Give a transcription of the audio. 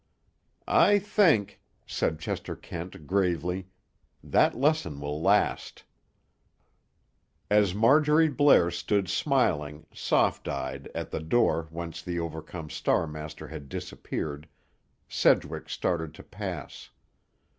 "I think," said Chester Kent gravely, "that lesson will last." As Marjorie Blair stood smiling, soft eyed, at the door whence the overcome Star master had disappeared, Sedgwick started to pass.